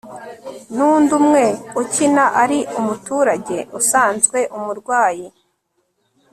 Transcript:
n'undi umwe ukina ari umuturage usanzwe umurwayi